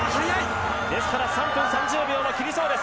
ですから３分３０秒を切りそうです。